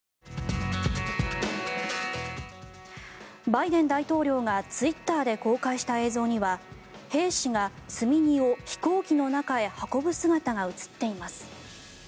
バイデン大統領がツイッターで公開した映像には兵士が積み荷を飛行機の中へ運ぶ姿が映っています。